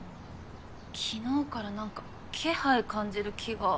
昨日からなんか気配感じる気が。